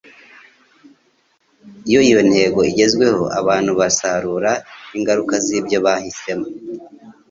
Iyo iyo ntego igezweho, abantu basarura ingaruka z'ibyo bahisemo.